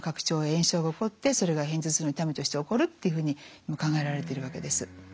炎症が起こってそれが片頭痛の痛みとして起こるっていうふうに考えられているわけです。